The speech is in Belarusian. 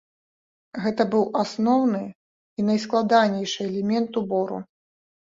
Гэта быў асноўны і найскладанейшы элемент убору.